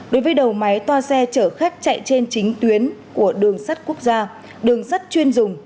đối với đầu máy toa xe chở khách chạy trên chính tuyến của đường sắt quốc gia đường sắt chuyên dùng